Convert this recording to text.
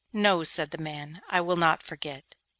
'No,' said the man, 'I will not forget.